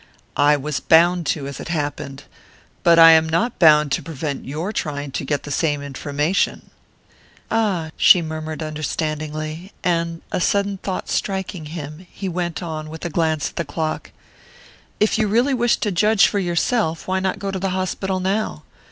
"I was bound to, as it happened. But I am not bound to prevent your trying to get the same information." "Ah " she murmured understandingly; and, a sudden thought striking him, he went on, with a glance at the clock: "If you really wish to judge for yourself, why not go to the hospital now?